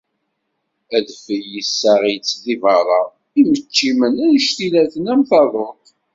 Adfel yessaɣ-itt di berra, imeččimen annect ilaten am taḍuṭ